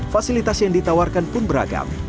fasilitas yang ditawarkan pun beragam